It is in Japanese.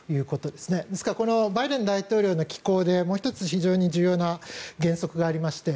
ですからバイデン大統領の寄稿でもう１つ非常に重要な原則がありまして